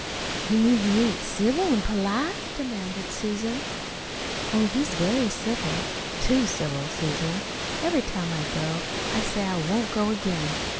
"You mean he ain't civil an' polite?" demanded Susan. "Oh, he's very civil too civil, Susan. Every time I go I say I won't go again.